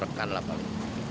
ada berapa ton